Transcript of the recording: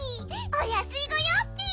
おやすいごようッピ！